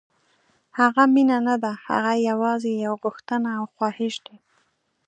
هغه مینه نه ده، هغه یوازې یو غوښتنه او خواهش دی.